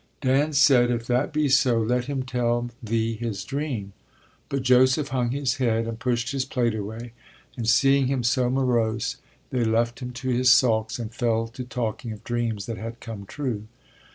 Dan said: if that be so, let him tell thee his dream. But Joseph hung his head and pushed his plate away; and seeing him so morose they left him to his sulks and fell to talking of dreams that had come true.